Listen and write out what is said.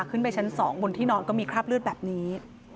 ขึ้นไปชั้น๒บนที่นอนก็มีคราบเลือดแบบนี้